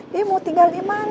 ini mau tinggal di mana